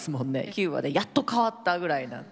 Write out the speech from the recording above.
９話でやっと変わったぐらいなんで。